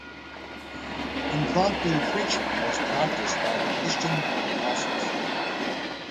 Impromptu preaching was practiced by the Christian apostles.